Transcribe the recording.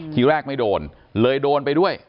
ทีแรกไม่โดนเลยโดนไปด้วย